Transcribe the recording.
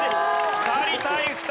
２人対２人。